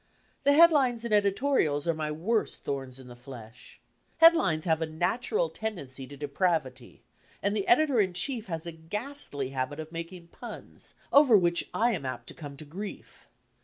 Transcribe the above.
The head lines and editorials are my worst thorns in the flesh. Head lines have a natural tendency to depravity, and the editor in chief has a ghasdy habit of making puns over which I am apt to come to grief.